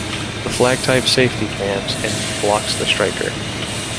The flag-type safety cams and blocks the striker.